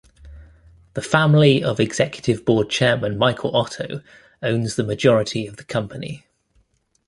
The family of executive board chairman Michael Otto owns the majority of the company.